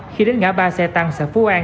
khi đến ngã ba xe tăng xã phú an